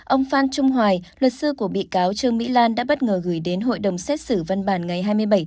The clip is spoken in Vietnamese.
ông phan trung hoài luật sư của bị cáo trương mỹ lan đã bất ngờ gửi đến hội đồng xét xử văn bản ngày hai mươi bảy tháng chín